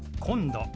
「今度」。